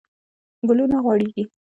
ګلونه غوړیږي